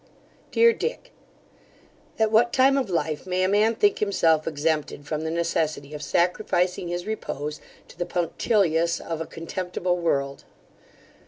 DEAR DICK, At what time of life may a man think himself exempted from the necessity of sacrificing his repose to the punctilios of a contemptible world?